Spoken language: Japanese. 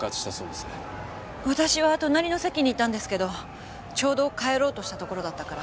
私は隣の席にいたんですけどちょうど帰ろうとしたところだったから。